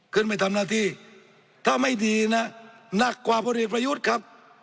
ขึ้นไปทำหน้าที่ถ้าไม่ดีนะหนักกว่าพลเอกประยุทธ์ครับ